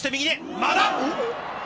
まだ。